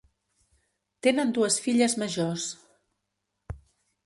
Tenen dues filles majors.